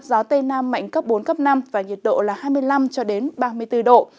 gió tây nam mạnh cấp bốn cấp năm và nhiệt độ là hai mươi năm cho đến ba mươi bốn độ